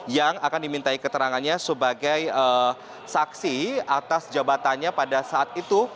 yang akan dimintai keterangannya sebagai saksi atas jabatannya pada saat itu